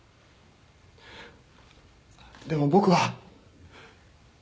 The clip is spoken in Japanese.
でも僕は。